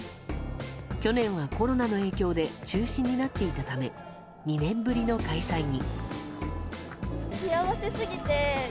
去年はコロナの影響で中止になっていたため２年ぶりの開催に。